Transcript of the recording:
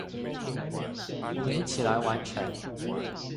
我們一起來完成